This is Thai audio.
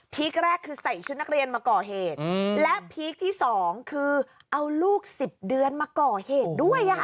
คแรกคือใส่ชุดนักเรียนมาก่อเหตุและพีคที่สองคือเอาลูก๑๐เดือนมาก่อเหตุด้วย